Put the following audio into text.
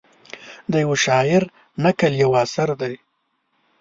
د یوه شاعر نکل یو اثر دی.